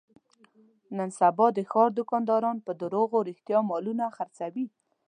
نن سبا د ښاردوکانداران په دروغ رښتیا مالونه خرڅوي.